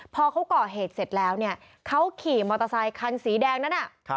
พอเขาก่อเหตุเสร็จแล้วเนี่ยเขาขี่มอเตอร์ไซคันสีแดงนั้น